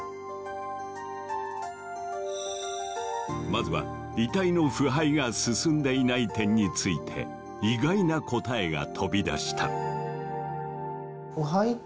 まずは遺体の腐敗が進んでいない点について意外な答えが飛び出した。